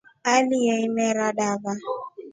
Aleya imera dava.